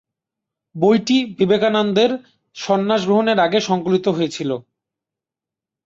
বইটি বিবেকানন্দের সন্ন্যাস গ্রহণের আগে সংকলিত হয়েছিল।